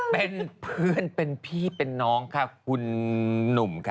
เป็นเพื่อนเป็นพี่เป็นน้องค่ะคุณหนุ่มค่ะ